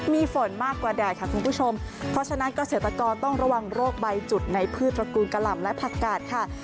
มีฝนมากกว่าแดดค่ะคุณผู้ชมเพราะฉะนั้นเกษตรกรต้องระวังโรคใบจุดในพืชตระกูลกะหล่ำและผักกาดค่ะ